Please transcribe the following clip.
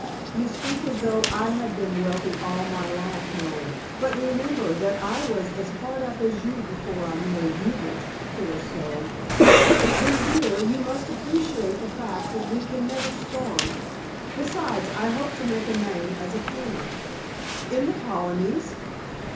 "You speak as though I had been wealthy all my life, Noel. But remember that I was as hard up as you before I married Hubert, poor soul." "Then, dear, you must appreciate the fact that we can never starve. Besides I hope to make a name as a painter." "In the Colonies?"